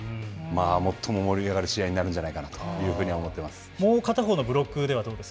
最も盛り上がる試合になるんじゃないかなというふうに思っています。